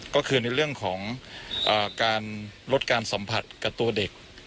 ก็คือในเรื่องของการลดการสัมผัสกับตัวเด็ก